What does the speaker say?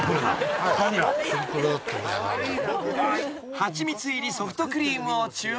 ［はちみつ入りソフトクリームを注文］